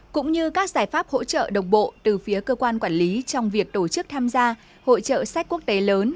cũng như các giải pháp hỗ trợ đồng bộ từ phía cơ quan quản lý trong việc tổ chức tham gia hội trợ sách quốc tế lớn